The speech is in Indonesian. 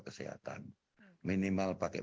kesehatan minimal pakai